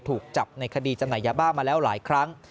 ถูกจับในคดีจำหน่ายยาบ้ามาแล้วหลายครั้ง